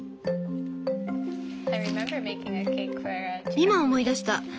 今思い出した。